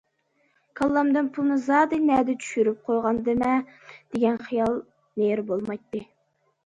كاللامدىن‹‹ پۇلنى زادى نەدە چۈشۈرۈپ قويغاندىمەن؟›› دېگەن خىيال نېرى بولمايتتى.